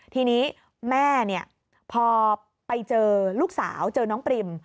ทีนี้แม่พอไปเจอลูกสาวเจอน้องปริม